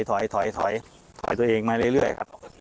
ถอยถอยตัวเองมาเรื่อยครับ